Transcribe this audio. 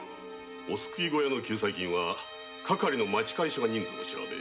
お救い小屋の救済金は担当の町会所が人数を調べ